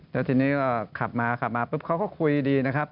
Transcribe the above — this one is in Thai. แล้วทีนี้ก็ขับมาขับมาปุ๊บเขาก็คุยดีนะครับ